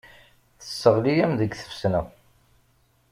Tesseɣli-am deg tfesna.